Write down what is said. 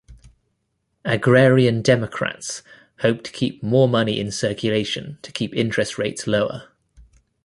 Agrarian Democrats hoped to keep more money in circulation to keep interest rates lower.